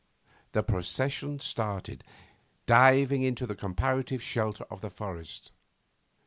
The procession started, diving into the comparative shelter of the forest.